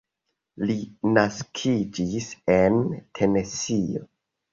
Li naskiĝis en Tenesio.